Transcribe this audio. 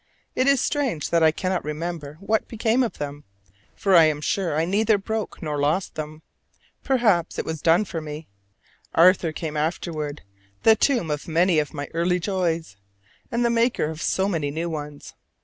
It is strange that I cannot remember what became of them, for I am sure I neither broke nor lost them, perhaps it was done for me: Arthur came afterward, the tomb of many of my early joys, and the maker of so many new ones.